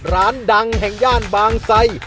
ร้านดังแห่งย่านบางไซ